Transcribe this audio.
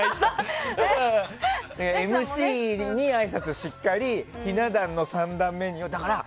ＭＣにあいさつしっかりしてひな壇の３段目には。